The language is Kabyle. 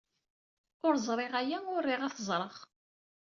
Ur ẓriɣ aya, ur riɣ ad t-ẓreɣ.